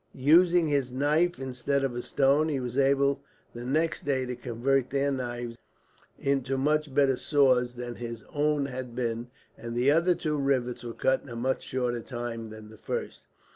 Using his knife instead of a stone, he was able the next day to convert their knives into much better saws than his own had been; and the other two rivets were cut in a much shorter time than the first.